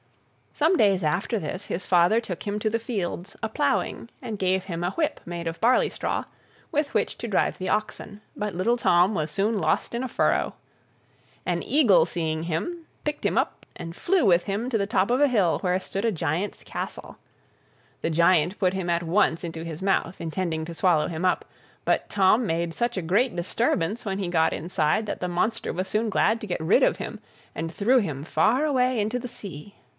Some days after this, his father took him to the fields a ploughing, and gave him a whip, made of a barley straw, with which to drive the oxen; but little Tom was soon lost in a furrow. An eagle seeing him, picked him up and flew with him to the top of a hill where stood a giant's castle. The giant put him at once into his mouth, intending to swallow him up, but Tom made such a great disturbance when he got inside that the monster was soon glad to get rid of him, and threw him far away into the sea.